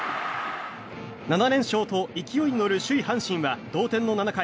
７連勝と勢いに乗る首位、阪神は同点の７回